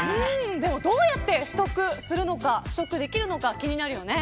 でもどうやって取得できるのか気になるよね。